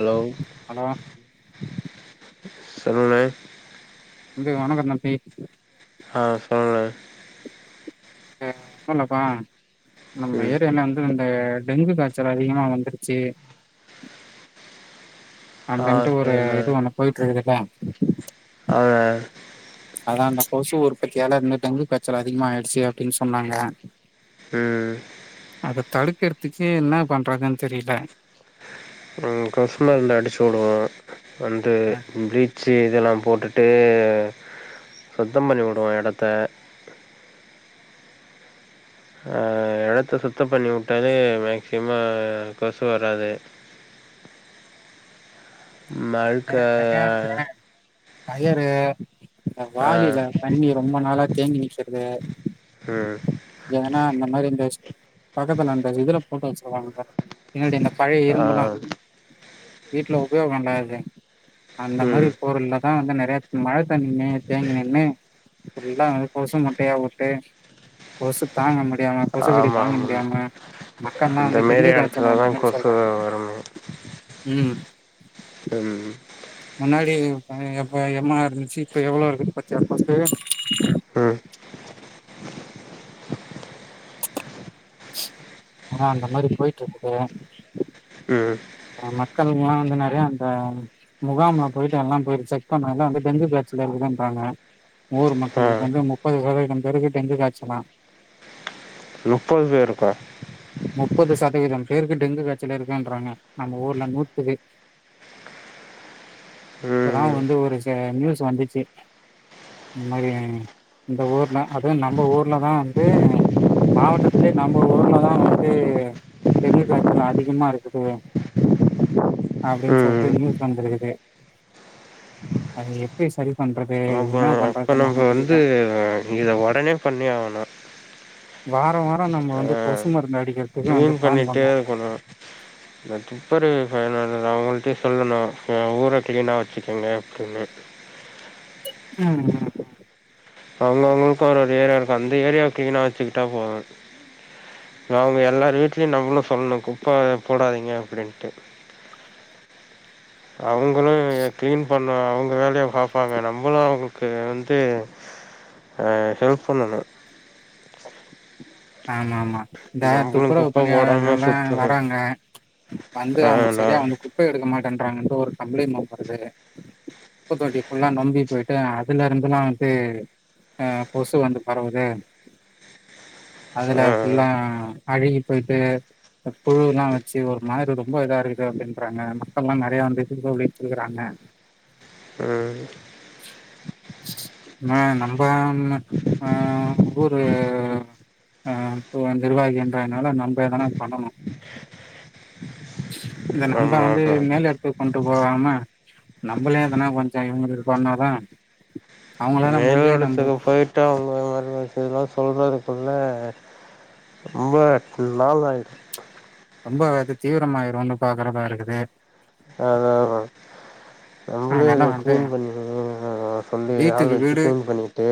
Hello hello சொல்லுணே தம்பி வணக்கோ தம்பி ஆ சொல்லுணே அ ஒன்னூல்லப்பா நம்ம ம் ஏரியால வந்து ஆ டெங்கு காச்சல் அதிகமா வந்துருச்சு ஆ அந்தன்ட்டு ஒரு சேரிண்ணே இது ஒன்னு போயிட்ருக்குது வா ஆ அதா அந்த கொசு உற்பத்தியாலருந்து டெங்கு காச்சல் அதிகமா ஆயிடுச்சு அப்டின்னு சொன்னாங்க ம் அத தடுக்றதுக்கு என்ன பண்றதுன் தெரீல ம் கொசு மருந்து அடிச்சு விடுவோ வந்து அஹ் ப்ளீச்சு இதெல்லா போட் டுட்டு சுத்தம் பண்ணி விடுவோ எடத்த ஆ எடத்த சுத்தம் பண்ணி உட்டாலே மேக்சிமோ கொசு வராது மழ்க்கயா அயரு இந்த வாளியில தண்ணி ரொம்போ நாளா தேங்கி நிக்கிறது ம் ஏனா அந்த மாரி இந்த பக்கத்துல அந்த இதுலப் போட்டோஸ் போட்றாங்க பார்றா [unintelligible] ஆ வீட்ல உபயோகோ பண்றது அந்த மாரி ம் பொருள்ல தா வந்து நற் [unintelligible] தண்ணிய தேங்கண்ணே இப்டிலா கொசு முட்டைய உட்டு கொசு தாங்க மட் முடியாம கொசுகடி ஆமா தாங்க ஆமா முடியாம மக்கள்ல்லா இந்த வந்து மாரி டெங்கு காய்ச்சல் எடத்துலதா வந்த மாரி கொசு சொல்றாங்க வருமே உம் உம் முன்னாடி எம் ஆர் இன்ச்சு இப்ப எவ்ளோ இருக்கு பாத்தியா [unintelligible] ம் ஆ அந்த மாதிரி போயிட்டுருக்கு பிரதர். ம் மக்கள் எல்லா வந்து நெறயா அந்த முகாம்ல போயிட்டு எல்லா போயிட்டு செக் பண்ணதுல வந்து டெங்கு காய்ச்சல இருக்குதுன்றாங்க, நூறு ஆ மக்கள்க்கு வந்து முப்பது சதவீதம் பேருக்கு டெங்கு காய்சலாம். முப்பது பேருக்கா? முப்பது சதவீதம் பேருக்கு டெங்கு காய்ச்சலா இருக்குன்றாங்க, நம்ம ஊர்ல நூத்து பே , இப்பதான் ம் வந்து ஒரு ச நியூஸ் வந்துச்சு இந்த மாரி இந்த ஊர்ல அதுவும் நம்ப ஊர்ல தான் வந்து மாவட்டத்திலயே நம்ப ஊர்லதான் வந்து டெங்கு காய்ச்சல் அதிகமா இருக்குது அப்டின் சொல்ட்டு ம் நியூஸ் வந்திருக்கு, அது எப்டி சரி பண்றது என்ன பண்றது இப்ப வந்து இத உடனே பண்ணி ஆவணும். வாரம் வாரம் நம்ம வந்து கொசு மருந்து அடிக் கிளீன் பண்ணிட்டே இருக்கணும், இந்த துப்பரு பணி அத அவங்கள்ட்டே சொல்லணும், ஊர கிளீனா வச்சுக்கிங்க அப்டின்னு. ம் ம் ம் அவங்க அவங்களுக்கான ஏரியா இருக்கும், அந்த ஏரியாவ கிளீனா வச்சுக்கிட்டா போது, அவங்க எல்லார் வீட்லியும் நம்மளும் சொல்ணும் குப்ப போடாதீங்க அப்டின்ட்டு. அவங்களும் கிளீன் பண்ண அவங்க வேலயா அவங்க பாப்பாங்க, நம்மளும் அவங்களுக்கு வந்து அ ஹெல்ப் பண்ணணு. ஆமா, ஆமா. இந்த நம்மளு துப்புரவு குப்ப போடாம பணியாளர்களெல்லா சுத்தணு வராங்க, வந்து ஆ அவங்க சரியா நான் அவங்க குப்பய எடுக்க மாட்ட பண்றாங்கன்ட்டு ஒரு கம்ப்ளைன் வருது, குப்பத்தொட்டி ஃபுல்லா நொம்பி போயிட்டு அதுலருந்துல்லா வந்து, அ கொசு வந்து பரவுது. அதுல ஆ ஃபுல்லா அழுகி போயிட்டு புழுலா வச்சு ஒரு மாரி ரொம்ப இதா இருக்குது அப்டின்றாங்க, மக்கள் லா நெறய வந்து [unintelligible] றாங்க, ம் நா நம்ப வந்து ஆ ஊரு அ இப்ப நிர்வாகி என்றனால நம்ப எதனா பண்ணணு. இத நம்ப ஆமா வந்து ஆமா மேலெடுத்து கொண்டு போகாம, நம்மளேதுனா கொஞ்ச இவங்களுக்கு பண்ணாதா அவங்களால முடிஞ்ச நம்ப இதலா சொல்றதுக்குள்ள நாளாய்டு ரொம்ப அது தீவிரமாயிருனு பாக்குறதா இருக்குது. அதா அதா நம்மளே அதனால அத வந்து க்ளீன் பண்ணி சொல்லி ஆள் வீட்டுக்கு வச்சு வீடு கிளீன் பண்ணிட்டு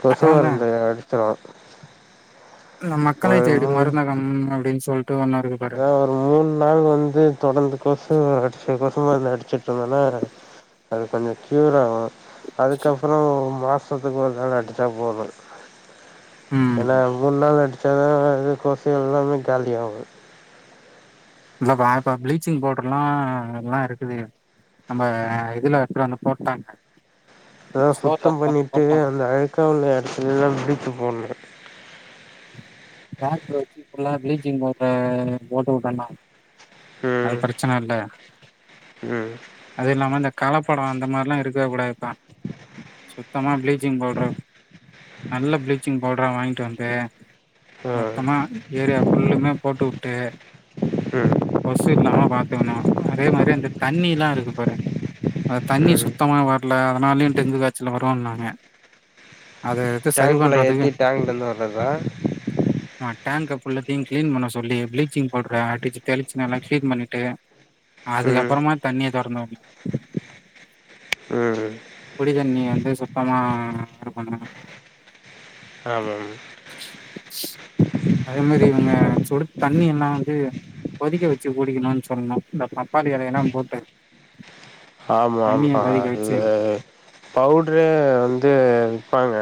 கொசு அதாதா மருந்து அடிச்சோ நம் மக்களை தேடி மருந்தகம் அப்டின்னு சொல்ட்டு ஒன்னு இருக்கு பாரு அதா ஒரு மூணு நாள் வந்து தொடர்ந்து கொசு அடிச்சாதா கொசு மருந்து அடிச்சோ சொன்னோனா, அது கொஞ்சோ கியூர் ஆவு அதுக்கப்பறோ மாச சத்துக்கு ஒரு தடவ அடிச்சா போது ம் ஏனா மூன் நாள் அடிச் சதா [unintelligible] இது கொசு எல்லாமே காலியாவு. இல்ல பா இப்ப பிளீச்சிங் பவுட்ரு லா எல்லா இருக்குது, நம்ப [unintelligible] இதுல எடுத்துட் வந்து போட்டாங்க. அதா ஸ்டோர்ல சுத்தம் எடுத்துட்டு வந்து பண்ணிட்டு போட்டாங்க அந்த அழுக்கா உள்ள எடத்துல லா பிளீச்சிங் போண்ணு. வாட்ரு வச்சு ஃபுல்லா ப்ளீச்சிங் பவ்ட்ர போட்டுவுட்டோனா அது ம் ப்ரெச்சன இல்ல, ம் அது இல்லாம இந்த கலப்படோ அந்த மார்லா இருக்க கூடாதுப்பா, சுத்தமா ப்ளீச்சிங் பவுட்ரு, நல்ல ப்ளீச்சிங் பவ்ட்ரா வாங்ட்டு வந்து ஆ மொத்தமா ஏரியா ஃபுல்லுமே போட்டுவுட்டு ம் கொசு இல்லாம பாத்துக்குணு, அதே மாரி அந்த தண்ணி லா இருக்கு பாரு, அந்த தண்ணி ம் சுத்தமா வர்ல அதனாலயு டெங்கு காச்சல் வரோனாங்க டேங்க்ல ஏத்தி டேங்க்லேந்து வர்றதா? அ டேங்க் ஃபுல்லத்தியு க்ளீன் பண்ண சொல்லி ப்ளீச்சிங் பவ்ட்ர அடிச்சு தெளிச் சு நல்லா க்ளீன் பண்ணிட்டு, ம் அதுக்கப்பறமா தண்ணிய தொறந்துவுட்னு. ம் குடி தண்ணி வந்து சுத்தமா அ இருக்கணு ஆமாம் அதே மாரி இவங்க சுடு தண்ணி எல்லா வந்து கொதிக்க வெச்சு குடிக்கனுன் சொல்ணு இந்த பப்பாளி எலையலா போட்டு ஆமா ஆமா தண்ணிய ஆ கொதிக்க இது வச்சு பவ்ட்ரே வந்து ப்பாங்க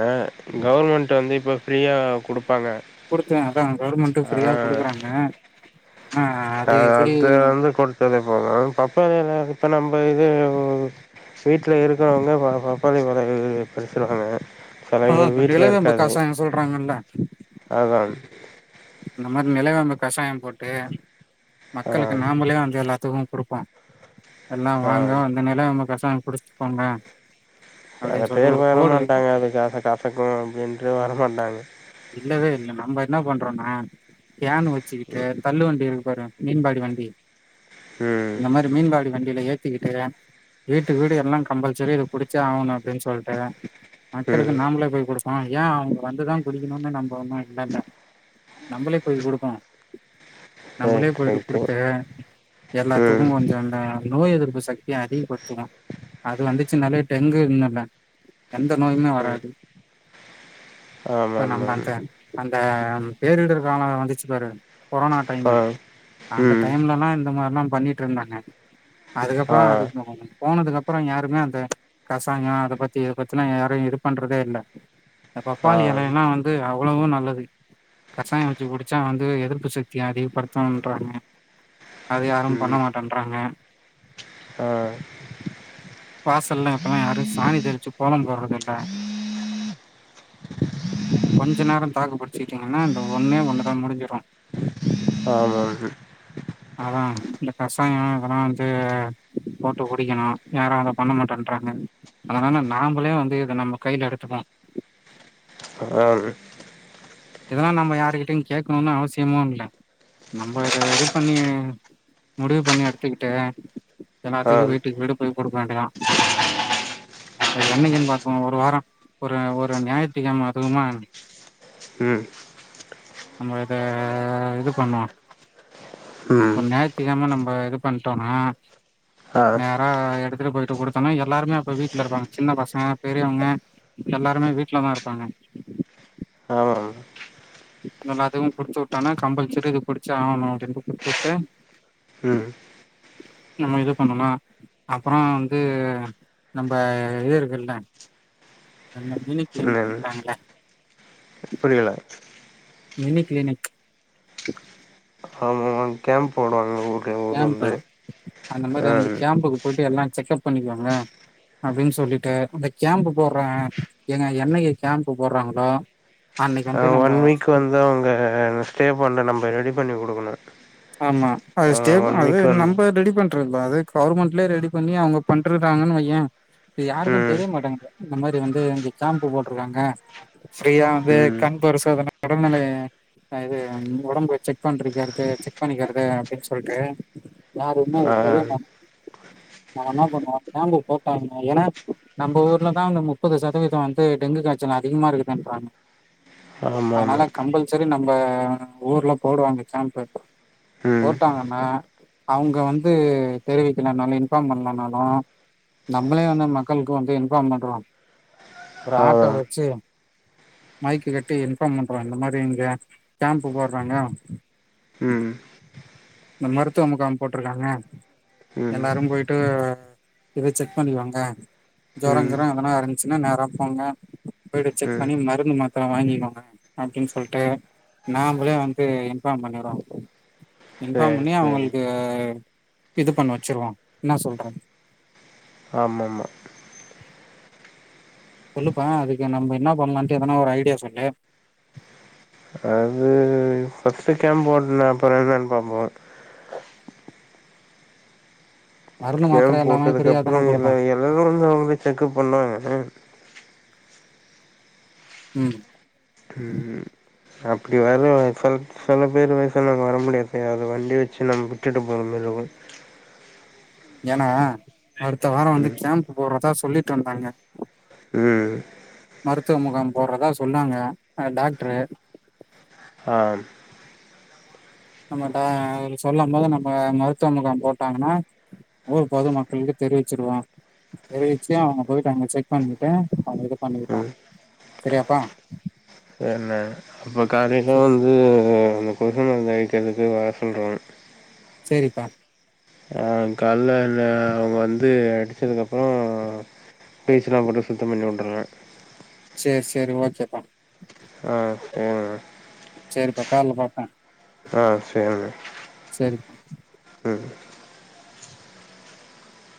கவுர்மெண்ட் வந்து இப்ப ஃப்ரீயா குடுப் குடுத்தே அதா கவுர்மெண்ட்டு ஃப்ரீயா குடுக்குறாங்க ஆனா அ அது எப்டி அந்த வந்து கொடுத்ததே போது பப்பாளி எல இப்ப நம்ப இதுவ் வீட்ல இருக்கிறவங்க பா பாப்பாளி பழ [unintelligible] பறிச்சுடுவாங்க அதா இப்ப நிலவேம்பு காசாயு சொல்றாங்கல்ல அதான் அந்த மாரி நிலவேம்பு கஷாயம் போட்டு ஆ மக்களுக்கு நாமளே வந்து எல்லாத்துக்கும் குடுப்போ எல்லா ஆ வாங்க வந்து நிலவேம்பு கசாய குடிச்சிட்டுபோங்க செல பேர் வரமாட்டாங்க அதுக்காக கசக்கும் அப்டின்ட்டு வரமாட்டாங்க [unintelligible] நம்ப என்ன பண்றோனா கேன்னு வச் ச்சுக்கிட்டு தள்ளு வண்டி இருக் வரு மீன்பாடி வண்டி ம் அந்த மாரி மீன்பாடி வண்டில ஏத்திக்கிட்டு வீட்டு வீடு எல்லா கம்பல்செரி இத குடிச்சே ஆகணு அப்டின் சொல்ட்டு மக்களுக்கு ம் நாமளே போய் குடுப்போ ஏ அவ்ங்க வந்துதா குடிக்கணுன்னு நம்ப ஒன்னு இல்லல்ல நம்பளே போய் குடுப்போம் நம்பளே ரைட் போயிட்டு ரைட்டு குடுத்து ம் எல்லாத்துக்கும் கொஞ்ச அந்த நோய் எதிர்ப்பு சக்திய அதிகப்படுத்துவோ அது வந்துச்சு நாலே டெங்குன்னு இல்ல எந்த நோயுமே ம் வராது இப்ப நம்ம ஆமாமாம் அந்த அந்த பேரிடர் கால வந்துச்சு பாரு கொரோனா ஆ டைமு அந்த ம் டைம்லலா இந்த மார்லா பண்ணிட்ருந்தாங்க அதுக்கப்ற ஆ அது மோ போனதுக்கப்ற யாருமே அந்த கசாயம் அத பத்தி இத பத்திலா யாரு இது பண்றதே இல்ல இந்த ஆ பப்பாளி எலைலா வந்து அவ்ளவும் நல்லது கசாயம் வச்சு குடிச்சா வந்து எதிர்ப்பு சக்தி அதிகப்படுத்துன்றாங்க அது யாரும் பண்ண ம் மாட்டன்றாங்க ஆ வாசல்ல இப்பலா யாரு சாணி தெளிச்சு கோலம் போட்றதில்ல கொஞ்ச நேர தாக்குப்புடிச்சுட்டீங்கனா இந்த ஒ ஒன்னே ஒன்னுதான் முடிஞ்சிரு ஆமாம் அதா இந்த கசாயம் இதெல்லா வந்து போட்டு குடிக்கணு யாரு அத பண்ண மாட்டேன்றாங்க அதனால நாம்பளே வந்து இத நம்ம கையல எடுத்துப்போம் தராது இதெல்லா நம்ம யாருகிட்டையு கேட்கணுன்னு அவசியமு இல்ல நம்ம இத இது பண்ணி முடிவு பண்ணி எடுத்துக்கிட்டு எல்லாத்துக்கு ஆம் வீட்டுக்கு வீடு போய் குடுக்க வேண்டியதா அது என்னைக்குன்னு பாப்போ ஒரு வாரம் ஒரு ஒரு ஞாய்த்துக்கெழம அதுவுமா ம் நம்ம இத இது பண்ணுவோ ம் ஒரு ஞாய்த்துக்கெழம நம்ப இது பண்ட்டோனா ஆ நேரா எடுத்துட்டு போய்ட்டு குடுத்தோனா எல்லாருமே அப்ப வீட்ல இருப்பாங்க சின்ன பசங்க பெரியவ்ங்க எல்லாருமே வீட்லதா இருப்பாங்க ஆமாம் எல்லாத்துக்கும் குடுத்து விட்டானா கம்பல்சரி இது குடிச்சு ஆகணு அப்டின்ட்டு குடுத்துட்டு ம் நம்ம இது பண்ணோமா அப்றம் வந்து நம்ப இது இருக்குள்ள அந்த மினி பேபிக்கு ம் கட்றாங்கள்ல புரியல மினி க்ளினிக் ஆமாமா கேம்ப் போடுவாங்க ஊர்ல ஊர் கேம்பு வந்து அந்த மாரி ஆ அந்த கேம்புக்கு போயிட்டு எல்லா செக்கப் பண்ணிக்குவாங்க அப்டின் சொல்ட்டு அந்த கேம்பு போட்ற ஏங்க என்னைக்கு கேம்பு போட்றாங்களோ அன்னைக்கு வந் ஆ ஒன் வீக் வந்து அங்க ஸ்டே பண்ணி நம்ப ரெடி பண்ணி குடுக் க்கனு ஆமா அது ஸ்டேப் அது நம்ப ரெடி பண் ட்ற கூடாது கவுர்மண்ட்லே ரெடி பண்ணி அவ்ங்க பண்றடாங்கன் வையே இது யாருக்கு ம் தெரிய மாட்டேங்குது இந்த மாரி வந்து அங்கே கேம்பு போட்ருக்காங்க ஸ்ரீகாந்து ம் கண் பரிசோதனை ஒடம்புநிலைய அஹ் இது அம் ஒடம்பு செக் பண்றக்கடுத்து செக் பண்ணிக்கிறது அப்டின் சொல்ட்டு யாருமே ஆ தெரிய மாட் நம்ம என்னா பண்ணுவோ கேம்பு போட்டாங்க ஏனா நம்ப ஊர்லதா அந்த முப்பது சதவீத வந்து டெங்கு காய்ச்சல் அதிகமா இருக்குதுன்றாங்க ஆமாமா அதனால கம்பல்சரி நம்ப ஊர்ல போடுவாங்க கேம்பு ம் போட்டாங்கனா அவ்ங்க வந்து தெரிவிக்கலனாலு இன்ஃபார்ம் பண்ணலனாலு நம்மளே வந்து அந் மக்களுக்கு வந்து இன்ஃபார்ம் பண்றோ ஒரு ஆட்டோ ஆமாம் வெச்சு மைக்கு கட்டி இன்ஃபார்ம் பண்றோ இந்த மாரி இங்க கேம்ப்பு போட்றாங்க ம் இந்த மருத்துவ முகாம் போட்ருக்காங்க ம் எல்லாரு போயிட்டு இத செக் பண்ணிவாங்க ம் ஜொரங்கிறோ எதனா இருந்துச்சுனா நேரா போங்க போயிட்டு செக் ம் பண்ணி மருந்து மாத்தர வாங்கிக்கோங்க அப்டின் சொல்ட்டு நாமளே வந்ட்டு இன்ஃபார்ம் பண்ணிறோ இன்ஃபார்ம் சேரி பண்ணி சேரி அவ்ங்களுக்கு இது பண்ண வச்சிருவோ என்ன சொல்ற ஆமாம்மா சொல்லுப்பா அதுக்கு நம்ப என்ன பண்லான்ட்டு எதனா ஒரு ஐடியா சொல்லு இது ஃபஸ்ட்டு கேம்ப் போட்னு அப்பற என்னன் பாப்போ மருந்து கேம் மாத்திர எல்லாமே போட்டதுக்கு ஃப்ரீயா அப்புற தான எல்ல குடுப்பாங்க. எல்லாரும் வந்து அவங்ள செக்கப் பண்ணுவாங்க ம் ம் அப்டி [unintelligible] சில பேர் வயசனவங்க வர முடியாது அது வண்டி வச்சு நம்ம விட்டுட்டு போற மாறி இருக்கு ஏன்னா அடுத்த வார வந்து ம் கேம்ப் போடுறதா சொல்லிட்டு இருந்தாங்க ம் மருத்துவ முகாம் போடுறதா சொன்னாங்க டாக்ட்ரு ஆ நம்மட்ட சொல்லும் போது நம்ம மருத்துவ முகாம் போட்டாங்னா ஊர் பொது மக்களுக்கு தெரிவிச்சிருவோ தெரிவிச்சு அவங்க போய்ட்டு அங்க செக் பண்ணிட்டு அவங்க இது பண்ணிக்கிட்டு ம் சரியாப்பா இப்போ காலைல சே வந்து அந்த கொசு மருந்து அடிக்கிறதுக்கு வர சொல்றாங்க சரிப்பா ஆஹ் கல்லன் ஹ அவங்க வந்து அடிச்சத்துக்கப்றோ பீஸ்ல போட்டு சுத்த பண்ணிவுட்டுற சரி சரி ஓகேப்பா ஆஹ் [unintelligible] சரிப்பா கால்ல பாப்பேன் ஆஹ் சரினா சரிப்பா